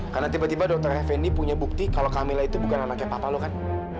karena tiba tiba dokter reveni punya bukti kalau kamila itu bukan anaknya papa lo kan